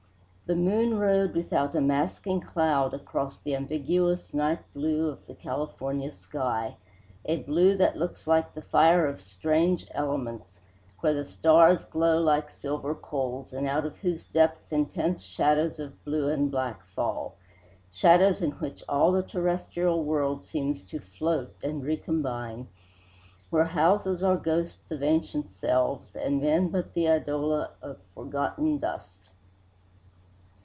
The moon rode without a masking cloud across the ambiguous night blue of the California sky, a blue that looks like the fire of strange elements, where the stars glow like silver coals, and out of whose depths intense shadows of blue and black fall; shadows in which all the terrestrial world seems to float and recombine, where houses are ghosts of ancient selves and men but the eidola of forgotten dust.